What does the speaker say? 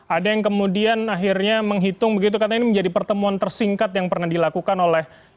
ada yang kemudian akhirnya menghitung begitu karena ini menjadi pertemuan tersingkat yang pernah dilakukan oleh